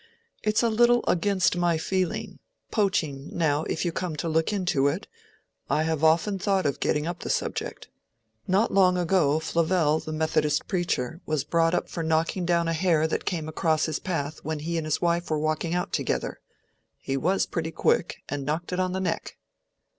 It's a little against my feeling:—poaching, now, if you come to look into it—I have often thought of getting up the subject. Not long ago, Flavell, the Methodist preacher, was brought up for knocking down a hare that came across his path when he and his wife were walking out together. He was pretty quick, and knocked it on the neck."